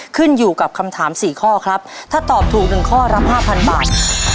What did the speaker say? ขึ้นอยู่กับคำถามสี่ข้อครับถ้าตอบถูกหนึ่งข้อรับห้าพันบาท